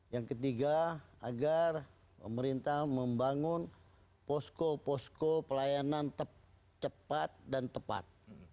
yang ketiga agar pemerintah membangun posko posko pelayanan cepat dan tepat